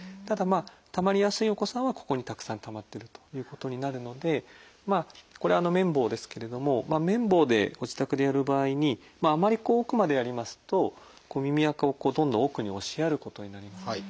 ただたまりやすいお子さんはここにたくさんたまってるということになるのでこれ綿棒ですけれども綿棒でご自宅でやる場合にあまり奥までやりますと耳あかをどんどん奥に押しやることになります。